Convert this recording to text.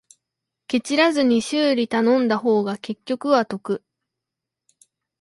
ケチらずに修理頼んだ方が結局は得